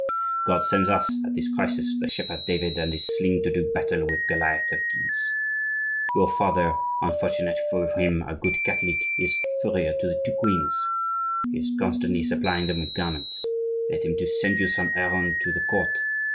God sends us at this crisis the shepherd David and his sling to do battle with Goliath of Guise. Your father, unfortunately for him a good Catholic, is furrier to the two queens. He is constantly supplying them with garments. Get him to send you on some errand to the court.